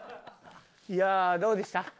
いやあどうでした？